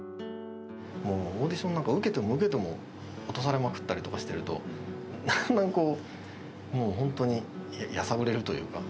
もうオーディションなんか受けても受けても落とされまくったりとかしてると、だんだん、もう本当にやさぐれるというか。